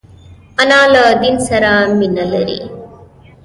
انا له دین سره مینه لري